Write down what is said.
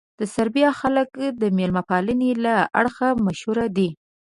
د سربیا خلک د مېلمه پالنې له اړخه مشهور دي.